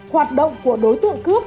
hoạt động của đối tượng